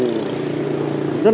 chủ tịch ubnd